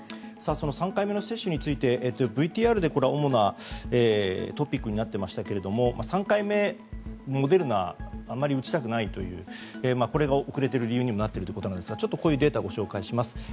その３回目の接種についてＶＴＲで主なトピックになっていましたけれども３回目、モデルナはあまり打ちたくないという遅れている理由にもなっていますがこういうデータをご紹介します。